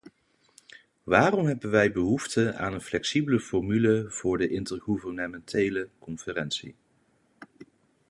Waarom hebben wij behoefte aan een flexibele formule voor de intergouvernementele conferentie?